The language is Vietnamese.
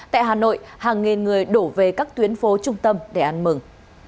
tại hà nội hàng nghìn người đổ về các tuyến phố trung tâm để ăn mừng